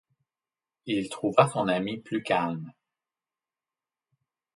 Il trouva son ami plus calme.